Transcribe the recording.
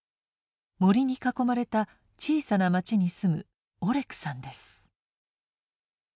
森に囲まれた小さな町に住むオレクさんです。